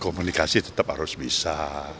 komunikasi tetap harus bisa